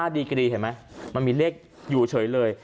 ดีกรีเห็นไหมมันมีเลขอยู่เฉยเลย